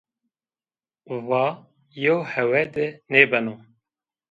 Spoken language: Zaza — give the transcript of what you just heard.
Va, yew hewe de nêbeno